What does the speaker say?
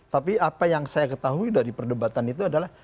tapi apa yang saya ketahui dari perdebatan itu adalah